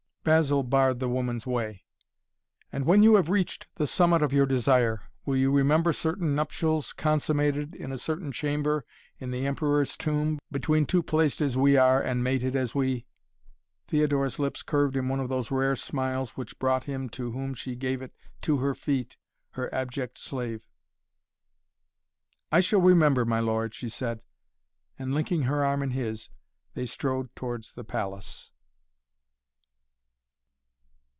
Basil barred the woman's way. "And when you have reached the summit of your desire, will you remember certain nuptials consummated in a certain chamber in the Emperor's Tomb, between two placed as we are and mated as we?" Theodora's lips curved in one of those rare smiles which brought him to whom she gave it to her feet, her abject slave. "I shall remember, my lord," she said, and, linking her arm in his, they strode towards the palace.